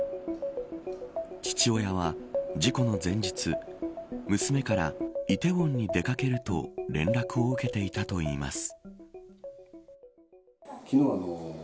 父親は事故の前日娘から梨泰院に出掛けると連絡を受けていたといいます。